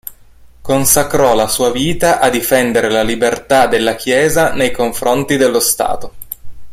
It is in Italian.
Consacrò la sua vita a difendere la libertà della Chiesa nei confronti dello Stato.